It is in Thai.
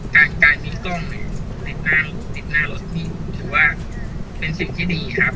ก่อนมีกล้องติดหน้ารถที่คือว่าเป็นสิ่งที่ดีครับ